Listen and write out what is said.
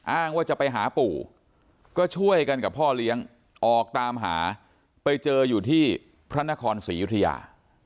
อ้างว่าจะไปหาปู่ก็ช่วยกันกับพ่อเลี้ยงออกตามหาไปเจออยู่ที่พระนครศรียุธยา